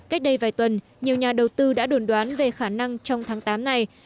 cách đây vài tuần nhiều nhà đầu tư đã đồn đoán về khả năng trong tháng tám này